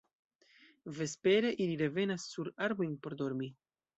Vespere ili revenas sur arbojn por dormi.